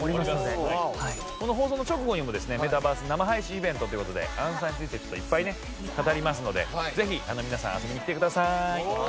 この放送の直後にもですねメタバース生配信イベントっていう事で『あんスタ』についてちょっといっぱいね語りますのでぜひ皆さん遊びに来てください。